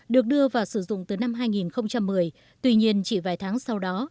được đưa vào sử dụng từ năm hai nghìn một mươi tuy nhiên chỉ vài tháng sau đó